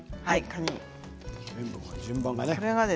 順番がね。